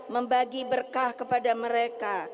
membagi berkah kepada mereka